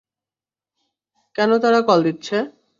কেন তারা কল দিচ্ছে?